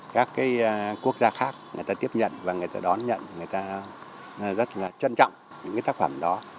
các quốc gia khác người ta tiếp nhận và người ta đón nhận người ta rất là trân trọng những cái tác phẩm đó